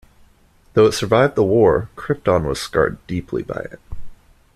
Though it survived the war, Krypton was scarred deeply by it.